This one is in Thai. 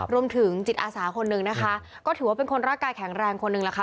รวมถึงจิตอาสาคนนึงนะคะก็ถือว่าเป็นคนร่างกายแข็งแรงคนหนึ่งล่ะค่ะ